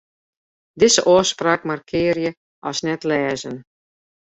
Dizze ôfspraak markearje as net-lêzen.